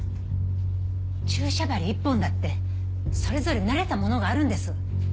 注射針１本だってそれぞれ慣れたものがあるんです。